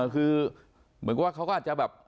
คือเหมือนกับว่าเขาก็อาจจะแบบ